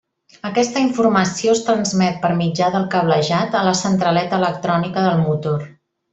Aquesta informació es transmet per mitjà del cablejat a la centraleta electrònica del motor.